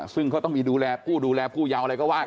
ซึ่งเขาต้องมีดูแลผู้ดูแลผู้เยาว์อะไรก็ว่า